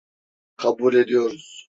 Kabul ediyoruz.